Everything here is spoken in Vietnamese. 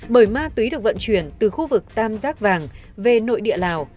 bởi ma túy được vận chuyển từ khu vực tam giác vàng về nội địa lào